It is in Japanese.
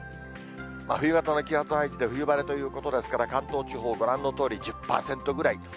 真冬はこの気圧配置で冬晴れということですから、関東地方、ご覧のとおり１０％ぐらい。